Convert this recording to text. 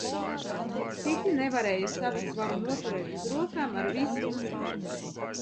Citi nevarēja savu svaru noturēt uz rokām ar visu uzkabi.